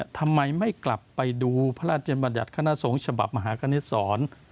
ทำไมไม่กลับไปดูพระราชบัตรยาคณะสมฉบับมหาคณิตสอน